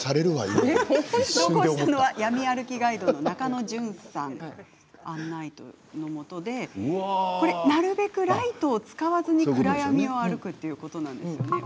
闇歩きガイドの中野純さんの案内のもとでなるべくライトを使わずに暗闇を歩くということなんですね。